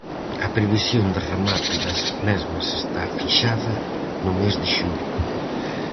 A previsión de remate das mesmas está fixada no mes de xullo.